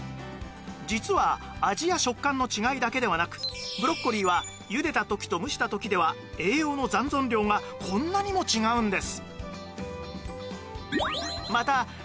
実は味や食感の違いだけではなくブロッコリーはゆでた時と蒸した時では栄養の残存量がこんなにも違うんです